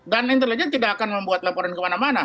intelijen tidak akan membuat laporan kemana mana